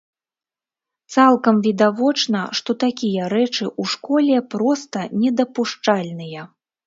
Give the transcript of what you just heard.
Цалкам відавочна, што такія рэчы ў школе проста недапушчальныя!